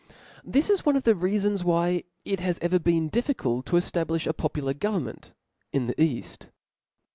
Thi^ i« one of the reafons why it has ever been difficult to cHablifh a popular govern ment in the caft.